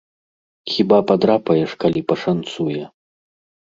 Хіба падрапаеш, калі пашанцуе.